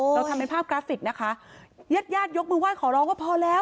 เราทำเป็นภาพกราฟิกนะคะญาติญาติยกมือไห้ขอร้องว่าพอแล้ว